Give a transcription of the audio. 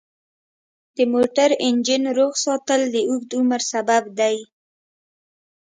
د موټر انجن روغ ساتل د اوږد عمر سبب دی.